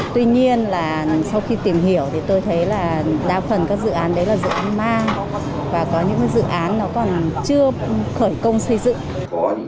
tuy nhiên là sau khi tìm hiểu thì tôi thấy là đa phần các dự án đấy là dự án ma và có những dự án nó còn chưa khởi công xây dựng